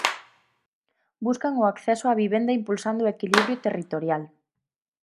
Buscan o acceso á vivenda impulsando o equilibrio territorial.